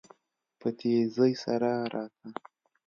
په تيزی سره راته.